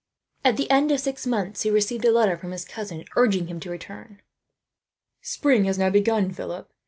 At the end of six months he received a letter from his cousin, urging him to return. "Spring has now begun, Philip.